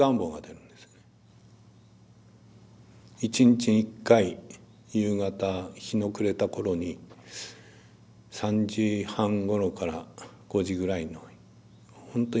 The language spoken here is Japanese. １日１回夕方日の暮れたころに３時半ごろから５時ぐらいの本当に１時間ちょっと。